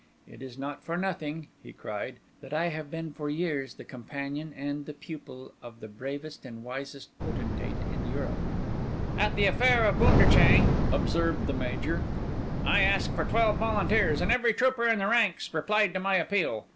It is not for nothing," he cried, "that I have been for years the companion and the pupil of the bravest and wisest potentate in Europe." "At the affair of Bunderchang," observed the Major, "I asked for twelve volunteers, and every trooper in the ranks replied to my appeal.